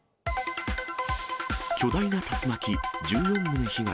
巨大な竜巻、１４棟被害。